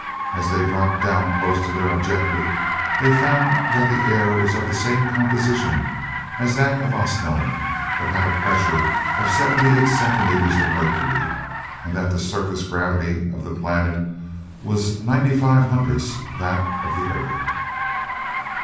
As they dropped down close to their objective, they found that the air was of the same composition as that of Osnome, but had a pressure of seventy eight centimeters of mercury, and that the surface gravity of the planet was ninety five hundredths that of the Earth.